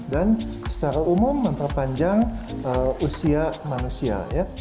dan secara umum memperpanjang usia manusia